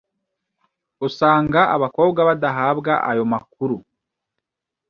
usanga abakobwa badahabwa ayo makuru